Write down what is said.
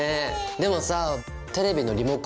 でもさあテレビのリモコンとか。